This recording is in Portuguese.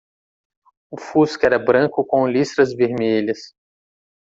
O fusca era branco com listras vermelhas.